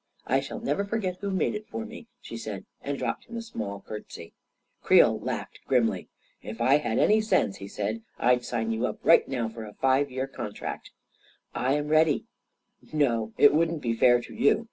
" I shall never forget who made it for me I " she said, and dropped him a little curtsey. Creel laughed grimly. 44 If I had any sense," he said, " I'd sign you up right now for a five year contract." "I am ready!" " No — it wouldn't be fair to you.